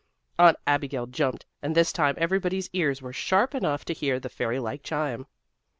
Aunt Abigail jumped, and this time everybody's ears were sharp enough to hear the fairy like chime.